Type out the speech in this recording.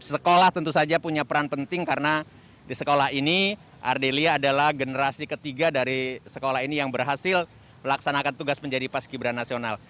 sekolah tentu saja punya peran penting karena di sekolah ini ardelia adalah generasi ketiga dari sekolah ini yang berhasil melaksanakan tugas menjadi paski bera nasional